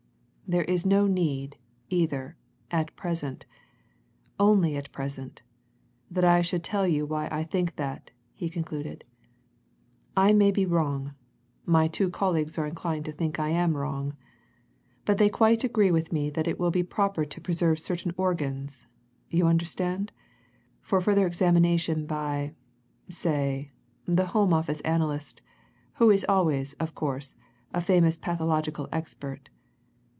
"There is no need, either, at present only at present that I should tell you why I think that," he continued. "I may be wrong my two colleagues are inclined to think I am wrong. But they quite agree with me that it will be proper to preserve certain organs you understand? for further examination by, say, the Home Office analyst, who is always, of course, a famous pathological expert.